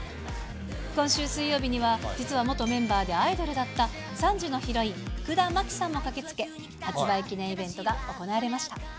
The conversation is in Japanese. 今週水曜日には実は元メンバーでアイドルだった、３時のヒロイン・福田麻貴さんも駆けつけ、発売記念イベントが行われました。